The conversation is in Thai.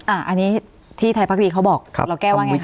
อันนี้ที่ไทยพักดีเขาบอกเราแก้ว่าไง